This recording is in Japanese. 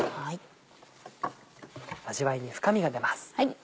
味わいに深みが出ます。